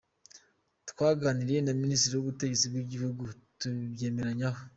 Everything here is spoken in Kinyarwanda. Twaganiriye na Minisiteri y’Ubutegetsi bw’Igihugu tubyemeranyaho.